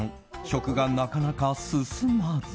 食がなかなか進まず。